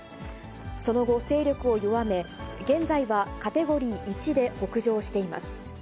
その後、勢力を弱め、現在はカテゴリー１で北上しています。